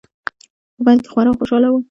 هغه په پيل کې خورا خوشحاله و.